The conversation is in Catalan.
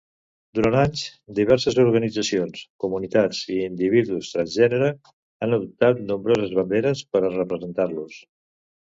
Durant anys, diverses organitzacions, comunitats i individus transgènere han adoptat nombroses banderes per a representar-los.